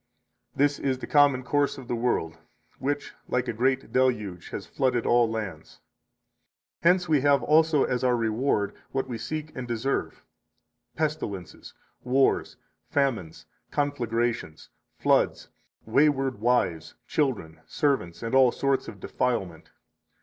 This is the common course of the world, which, like a great deluge, has flooded all lands. 60 Hence we have also as our reward what we seek and deserve: pestilences, wars, famines, conflagrations, floods, wayward wives, children, servants, and all sorts of defilement.